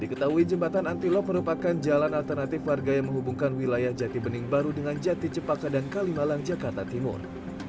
diketahui jembatan anti lok merupakan jalan alternatif warga yang menghubungkan wilayah jati bening baru dengan jati cepaka dan kalimalang jakarta timur